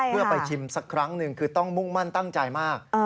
เพื่อไปชิมสักครั้งหนึ่งคือต้องมุ่งมั่นตั้งใจมาก